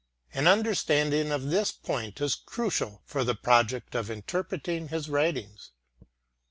An understanding of this point is crucial for the project of interpreting his writings.